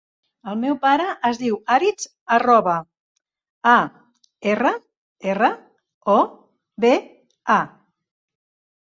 El meu pare es diu Aritz Arroba: a, erra, erra, o, be, a.